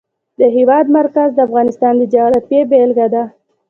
د هېواد مرکز د افغانستان د جغرافیې بېلګه ده.